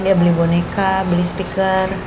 dia beli boneka beli speaker